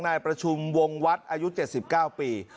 นายประชุมวงวัดอายุ๗๙ปี